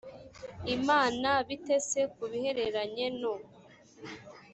imana bite se ku bihereranye no